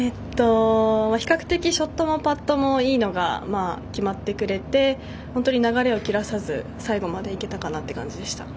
比較的ショットもパットもいいのが決まってくれて本当に流れを切らさず最後まで行けたかなという感じでした。